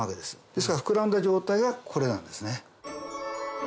ですから膨らんだ状態がこれなんですね。